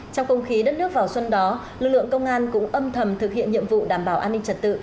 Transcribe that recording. trong không khí đất nước vào xuân đó lực lượng công an cũng âm thầm thực hiện nhiệm vụ đảm bảo an ninh trật tự